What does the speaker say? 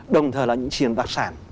đồng thời là những chiến đoạt sản